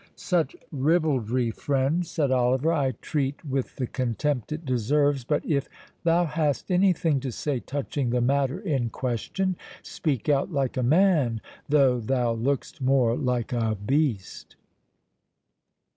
"Such ribaldry, friend," said Oliver, "I treat with the contempt it deserves. But if thou hast any thing to say touching the matter in question speak out like a man, though thou look'st more like a beast."